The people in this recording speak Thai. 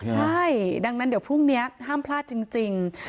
ใช่ดังนั้นเดี๋ยวพรุ่งนี้ห้ามพลาดจริง